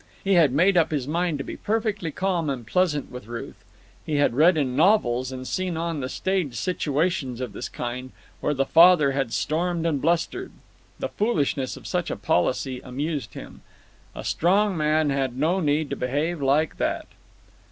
He had made up his mind to be perfectly calm and pleasant with Ruth. He had read in novels and seen on the stage situations of this kind, where the father had stormed and blustered. The foolishness of such a policy amused him. A strong man had no need to behave like that.